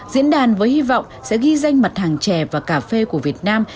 diễn đàn với hy vọng sẽ ghi danh mặt hàng chè và cà phê của việt nam